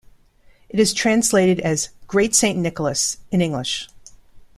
It is translated as "Great Saint Nicholas" in English.